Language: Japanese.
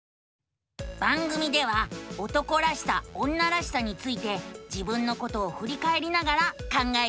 番組では「男らしさ女らしさ」について自分のことをふりかえりながら考えているのさ。